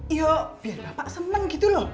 iya biar bapak seneng gitu loh